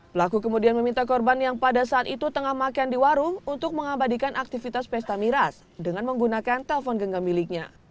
pelaku kemudian meminta korban yang pada saat itu tengah makan di warung untuk mengabadikan aktivitas pesta miras dengan menggunakan telpon genggam miliknya